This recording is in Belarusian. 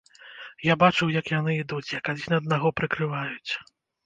Я бачыў, як яны ідуць, як адзін аднаго прыкрываюць.